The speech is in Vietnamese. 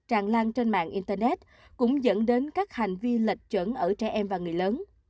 tràn lan trên mạng internet cũng dẫn đến các hành vi lệch chuẩn ở trẻ em và người lớn